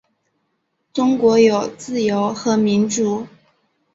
中国有自由和民主